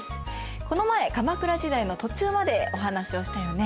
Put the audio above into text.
この前鎌倉時代の途中までお話をしたよね。